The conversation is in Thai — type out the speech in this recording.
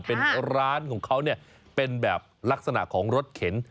เป็นร้านของเขาเป็นแบบลักษณะของรถเข็น